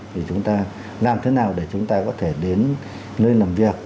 thì chúng ta làm thế nào để chúng ta có thể đến nơi làm việc